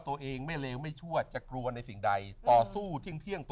ตัวเองไม่เลวไม่ชั่วจะกลัวในสิ่งใดต่อสู้เที่ยงต่อ